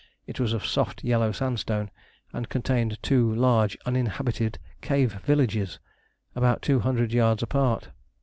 It was of soft yellow sandstone, and contained two large uninhabited cave villages, about two hundred yards apart.